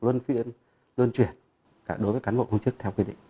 luôn chuyển đối với cán bộ công chức theo quy định